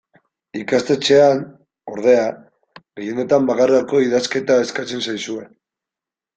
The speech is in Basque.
Ikastetxean, ordea, gehienetan bakarkako idazketa eskatzen zaizue.